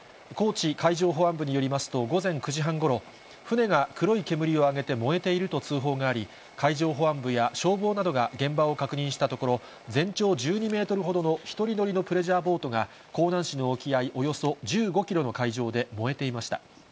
高知海上保安部によりますと、午前９時半ごろ、船が黒い煙を上げて燃えていると通報があり、海上保安部や消防などが現場を確認したところ、全長１２メートルほどの１人乗りのプレジャーボートが香南市の沖合およそ１５キロの海上で燃えていました。